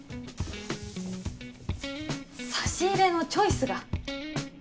差し入れのチョイスが。